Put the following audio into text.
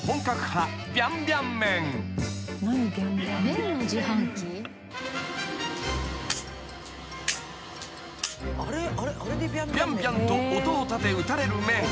［ビャンビャンと音を立て打たれる麺。